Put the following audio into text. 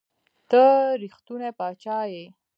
ته رښتونے باچا ئې